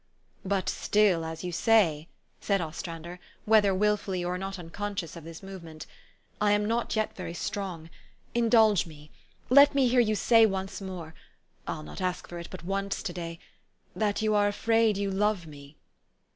"But still, as you say," said Ostrander, whether wilfully or not unconscious of this movement, " I am not yet very strong. Indulge me. Let me hear you say once more I'll not ask for it but once to day that you are afraid you love me."